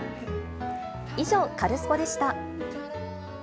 以上、カルスポっ！でした。